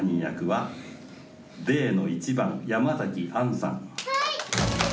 はい！